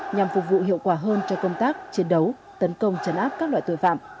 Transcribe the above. nhằm phục vụ hiệu quả hơn cho công tác chiến đấu tấn công chấn áp các loại tội phạm